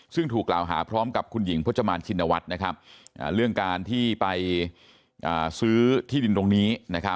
ซึ่งถูกกล่าวหาพร้อมกับคุณหญิงพจมานชินวัฒน์เรื่องการที่ไปซื้อที่ดินตรงนี้